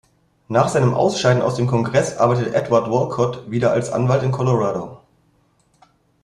Nach seinem Ausscheiden aus dem Kongress arbeitete Edward Wolcott wieder als Anwalt in Colorado.